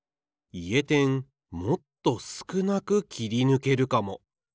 いえてんもっとすくなく切りぬけるかも。